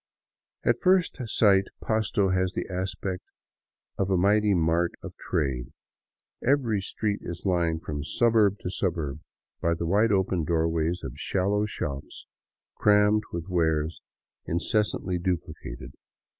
At first sight Pasto has the aspect of a mighty mart of trade. Every street is lined from suburb to suburb by the wide open doorways of shallow shops crammed with wares incessantly duplicated.